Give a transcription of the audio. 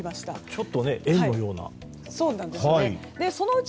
ちょっと円のような。